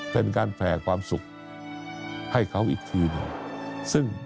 เป็นการแผ่ความสุขให้เขาอีกทีหนึ่งซึ่ง